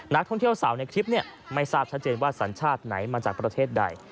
นักท่องเที่ยวสาวในคลิปไม่ทราบชัดเจนว่าสัญชาติไหนมาจากประเทศใด